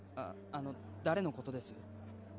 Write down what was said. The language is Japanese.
あの誰のことです？